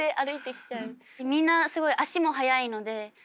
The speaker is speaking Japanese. みんなすごい足も速いので。